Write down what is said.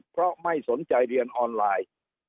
เพราะไม่สนใจเรียนออนไลน์